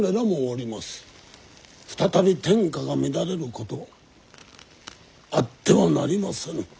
再び天下が乱れることあってはなりませぬ。